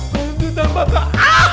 hantu tanpa tak